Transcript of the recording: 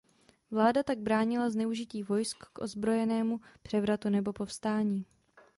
Vláda tak bránila zneužití vojsk k ozbrojenému převratu nebo povstání.